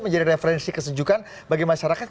menjadi referensi kesejukan bagi masyarakat